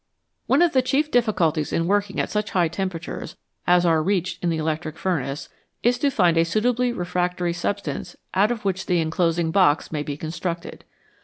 One of the chief difficulties in working at such high temperatures as are reached in the electric furnace is to find a suitably refractory substance out of which the enclosing box may be constructed.